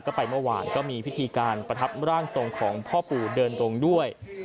ก็ไปเมื่อวานก็มีพิธีการประทับร่างทรงของพ่อปู่เดินตรงด้วย